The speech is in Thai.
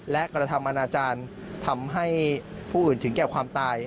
และกระทำอนาจารย์ทำให้ผู้อื่นถึงแก่ความตาย